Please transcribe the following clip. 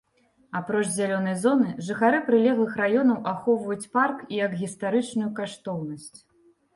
Апроч зялёнай зоны, жыхары прылеглых раёнаў ахоўваюць парк і як гістарычную каштоўнасць.